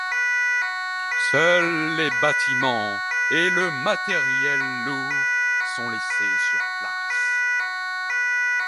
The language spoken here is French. Seuls les bâtiments et le matériel lourd sont laissés sur places.